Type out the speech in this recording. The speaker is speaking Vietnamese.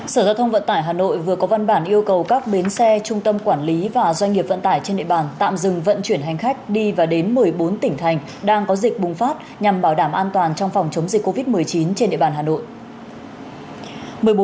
sở giao thông vận tải hà nội vừa có văn bản yêu cầu các bến xe trung tâm quản lý và doanh nghiệp vận tải trên địa bàn tạm dừng vận chuyển hành khách đi và đến một mươi bốn tỉnh thành đang có dịch bùng phát nhằm bảo đảm an toàn trong phòng chống dịch covid một mươi chín trên địa bàn hà nội